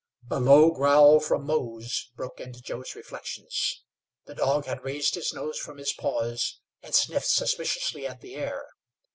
A low growl from Mose broke into Joe's reflections. The dog had raised his nose from his paws and sniffed suspiciously at the air.